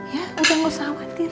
ya jangan lusah khawatir